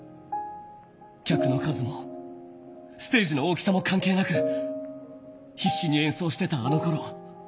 客の数もステージの大きさも関係なく必死に演奏してたあのころを。